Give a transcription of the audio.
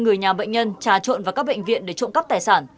người nhà bệnh nhân trà trộn vào các bệnh viện để trộm cắp tài sản